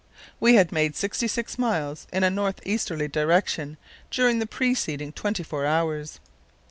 We had made 66 miles in a north easterly direction during the preceding twenty four hours.